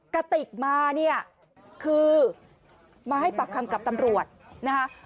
กระติกมาเนี่ยคือมาให้ปากคำกับตำรวจนะคะ